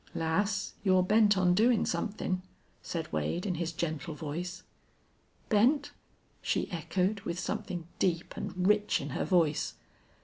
"Lass, you're bent on doin' somethin'," said Wade, in his gentle voice. "Bent?" she echoed, with something deep and rich in her voice.